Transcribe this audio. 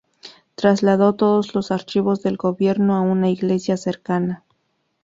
Trasladó todos los archivos del gobierno a una iglesia cercana.